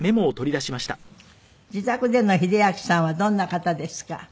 「自宅での英明さんはどんな方ですか？」